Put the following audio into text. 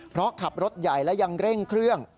เพราะขับรถใหญ่และยังเร่งเครื่อง